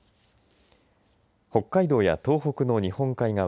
北海道や東北の日本海側